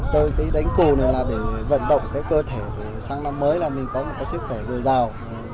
tôi đánh cù để vận động cơ thể sáng năm mới mình có một sức khỏe dừa dào